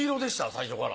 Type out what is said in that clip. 最初から。